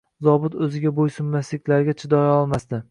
Zobit o`ziga bo`ysunmasliklariga chidayolmasdi